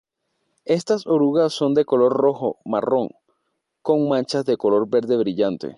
Estas orugas son de color rojo-marrón con manchas de color verde brillante.